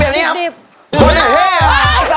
สิ่งหนึ่งที่ศิลปินหลายคนเจอก็คือ